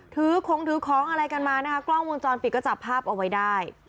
ถือของถือของอะไรกันมานะคะกล้องวงจรปิดก็จับภาพเอาไว้ได้